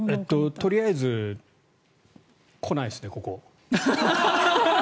とりあえず来ないですね、ここ。